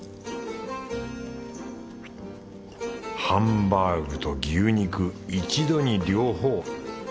ハンバーグと牛肉一度に両方。